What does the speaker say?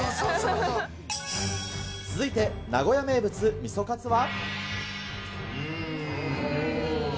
続いて名古屋名物、みそカツは。